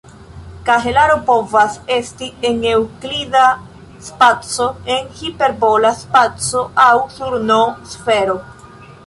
Kahelaro povas esti en eŭklida spaco, en hiperbola spaco aŭ sur "n"-sfero.